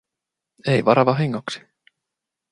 Ei vara vahingoksi.